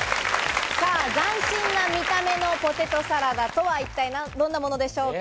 斬新な見た目のポテトサラダとは一体どんなものでしょうか？